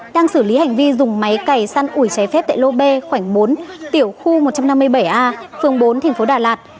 đang xử lý hành vi dùng máy cày săn ủi cháy phép tại lô b khoảng bốn tiểu khu một trăm năm mươi bảy a phường bốn tp đà lạt